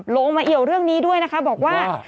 ลงมาเอี่ยวเรื่องนี้ด้วยนะคะบอกว่า